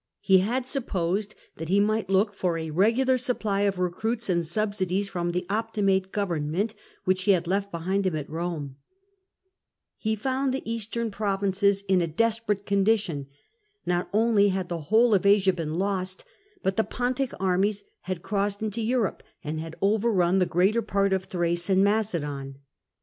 He had supposed that he might look for a regular supply of recruits and subsidies from the Optimate government wliicli ho had left behind him at Rome, lie found the eastern pro SULLA IN GBEECE 129 vinces in a desperate condition ; not only had the whole of Asia been lost, but the Pontic armies had crossed into Europe, and had overrun the greater part of Thrace and Macedon.